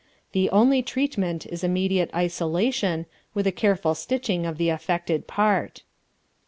The only treatment is immediate isolation, with a careful stitching of the affected part.